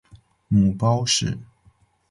母包氏。